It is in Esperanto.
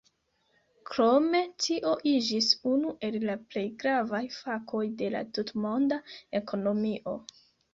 Krome tio iĝis unu el la plej gravaj fakoj de la tutmonda ekonomio.